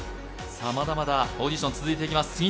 まだまだオーディションは続いていきます。